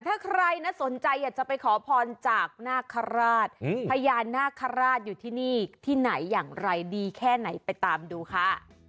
ถ้าใครนะสนใจอยากจะไปขอพรจากนาคาราชพญานาคาราชอยู่ที่นี่ที่ไหนอย่างไรดีแค่ไหนไปตามดูค่ะ